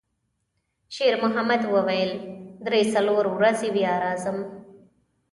شېرمحمد وویل: «درې، څلور ورځې بیا راځم.»